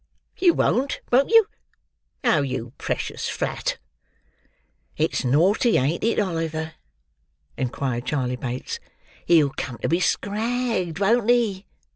You won't, won't you? Oh, you precious flat!" "It's naughty, ain't it, Oliver?" inquired Charley Bates. "He'll come to be scragged, won't he?"